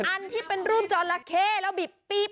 อันที่เป็นรูปจอละเข้แล้วบีบปี๊บ